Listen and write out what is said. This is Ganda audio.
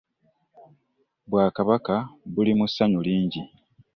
Bwakabaka buli mu ssanyu lingi.